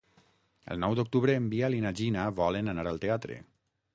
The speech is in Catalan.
El nou d'octubre en Biel i na Gina volen anar al teatre.